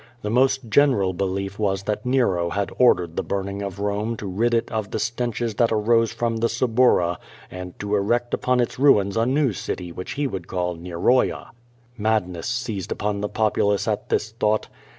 The most general belief was that Nero had ordered the burning of Rome to rid it of the stenches that arose from the Suburra and to erect upon its ruins a new city which he would call Neroia. Madness seized upon the populace at this thought.